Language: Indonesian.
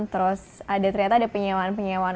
terus ada ternyata ada penyewaan penyewaan